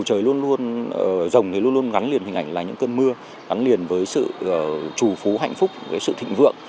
rồng luôn luôn gắn liền hình ảnh là những cơn mưa gắn liền với sự trù phú hạnh phúc sự thịnh vượng